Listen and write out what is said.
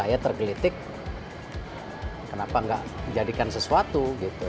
saya tergelitik kenapa nggak jadikan sesuatu gitu